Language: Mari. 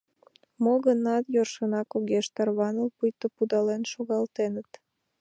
Мо-гынат, йӧршынак огеш тарваныл, пуйто пудален шогалтеныт.